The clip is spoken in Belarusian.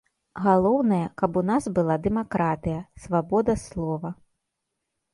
Галоўнае, каб у нас была дэмакратыя, свабода слова.